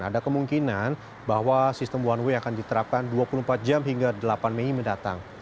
ada kemungkinan bahwa sistem one way akan diterapkan dua puluh empat jam hingga delapan mei mendatang